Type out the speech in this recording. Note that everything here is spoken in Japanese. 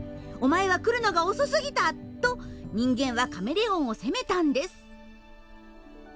「お前は来るのが遅すぎた」と人間はカメレオンを責めたんです